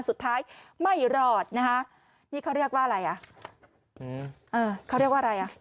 สุดท้ายไม่รอดนะคะนี่เขาเรียกว่าอะไรอ่ะอืมเออเขาเรียกว่าอะไรอ่ะ